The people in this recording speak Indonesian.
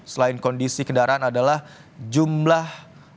selain kondisi kendaraan adalah jumlah